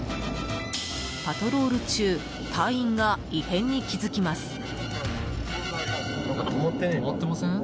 パトロール中隊員が異変に気付きます。